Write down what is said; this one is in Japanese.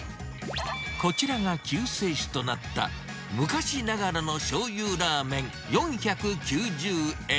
こちらが救世主となった、昔ながらのしょうゆラーメン４９０円。